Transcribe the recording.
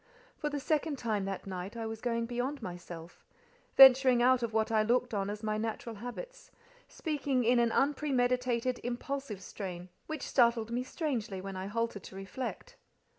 For the second time that night I was going beyond myself—venturing out of what I looked on as my natural habits—speaking in an unpremeditated, impulsive strain, which startled me strangely when I halted to reflect.